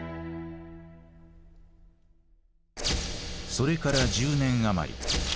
それから１０年余り。